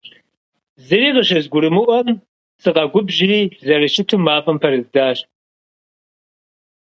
Зыри къыщызгурымыӀуэм сыкъэгубжьри, зэрыщыту мафӀэм пэрыздзащ.